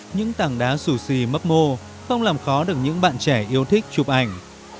những thang đá xù xì mấp mô không làm khó được những bạn trẻ yêu thích chụp ảnh